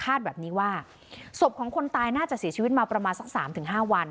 คาดแบบนี้ว่าศพของคนตายน่าจะสีชีวิตมาประมาณสัก๓๕วัน